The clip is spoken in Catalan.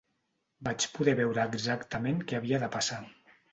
Vaig poder veure exactament què havia de passar.